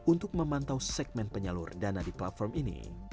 untuk memantau segmen penyalur dana di platform ini